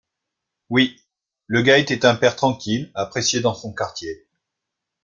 Oui. Le gars était un père tranquille, apprécié dans son quartier